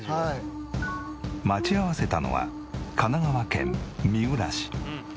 待ち合わせたのは神奈川県三浦市。